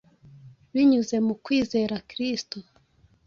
Binyuze mu kwizera Kristo